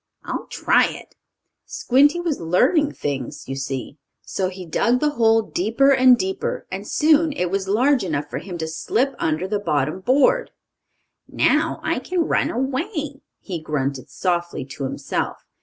I'll try it." Squinty was learning things, you see. So he dug the hole deeper and deeper, and soon it was large enough for him to slip under the bottom board. "Now I can run away," he grunted softly to himself.